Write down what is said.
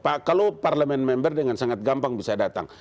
pak kalau parlemen member dengan sangat gampang bisa datang